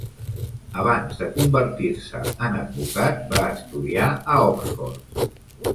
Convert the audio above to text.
Abans de convertir-se en advocat, va estudiar a Oxford.